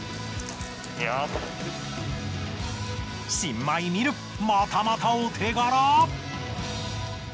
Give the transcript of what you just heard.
新米ミルまたまたお手柄。